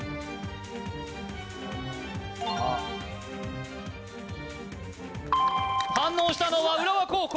あっ反応したのは浦和高校